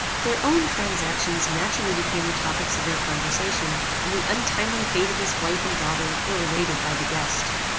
Their own transactions naturally became the topics of their conversation; and the untimely fate of his wife and daughter were related by the guest.